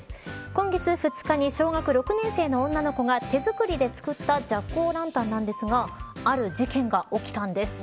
今月２日に小学６年生の女の子が手作りで作ったジャック・オー・ランタンなんですがある事件が起きたんです。